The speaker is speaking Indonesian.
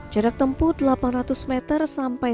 jarak tempuh delapan ratus meter sampai satu km